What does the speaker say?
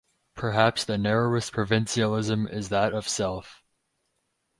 Perhaps the narrowest provincialism is that of self.